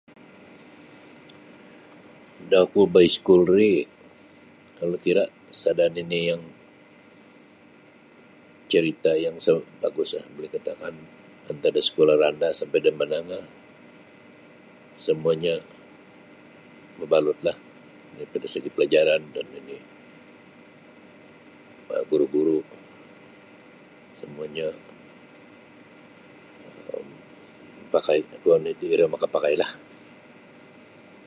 Da oku baiskul ri kalau kira sada nini yang carita yang sa baguslah buli dikatakan antad da sekolah rendah sampai da menangah semuanyo mabalutlah dari segi pelajaran dan nini guru-guru semuanyo mapakai kuo nu iti iro makapakailah.